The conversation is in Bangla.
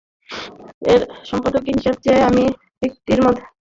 তাঁর সম্পদের হিসাব চেয়ে এরই মধ্যে তাঁর কাছে নোটিশ পাঠানো হয়েছে।